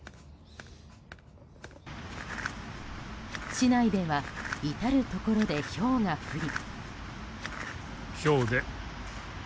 市内では至るところでひょうが降り。